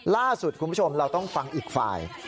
ล่าสุดคุณผู้ชมเราต้องฟังอีกฝ่าย